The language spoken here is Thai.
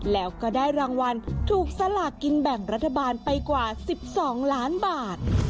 แล้วก็ได้รางวัลถูกสลากกินแบ่งรัฐบาลไปกว่า๑๒ล้านบาท